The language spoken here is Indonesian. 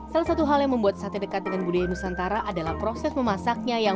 salah satu hal yang membuat sate dekat dengan budaya nusantara adalah proses memasaknya yang